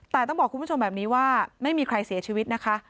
แต่ต้องบอกคุณผู้ชมแบบนี้ว่าไม่มีใครเสียชีวิตนะคะ